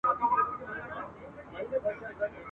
ښکاري زرکه د خپل قام په ځان بلا وه !.